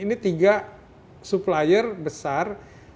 ini tiga supplier besar